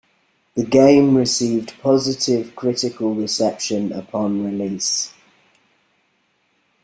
The game received positive critical reception upon release.